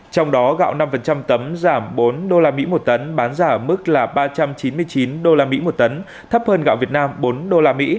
trong đó gạo năm tấm giảm bốn usd một tấn bán ra ở mức là ba trăm chín mươi chín usd một tấn thấp hơn gạo việt nam bốn usd